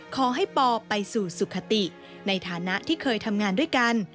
ขอให้ปอไปสู่สุขติในฐานะที่เคยทำงานด้วยกัน